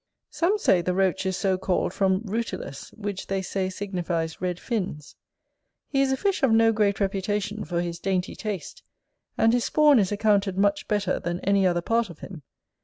Some say the Roach is so called from rutilus, which they say signifies red fins. He is a fish of no great reputation for his dainty taste; and his spawn is accounted much better than any other part of him.